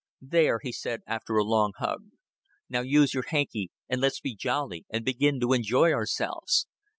"There," he said, after a long hug. "Now use your hanky, and let's be jolly and begin to enjoy ourselves.